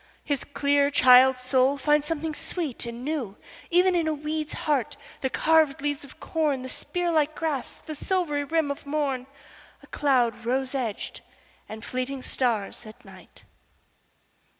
His clear child's soul finds something sweet and newEven in a weed's heart, the carved leaves of corn, The spear like grass, the silvery rim of morn,A cloud rose edged, and fleeting stars at night!